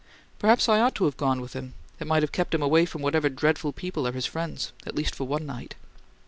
"Perhaps I ought to have gone with him. It might have kept him away from whatever dreadful people are his friends at least for one night."